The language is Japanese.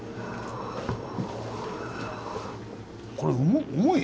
これ重い！